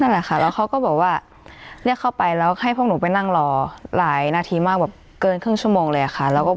แล้วมีครูห้องปกครองด้วย